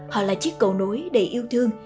họ là chiếc cầu nối đầy yêu thương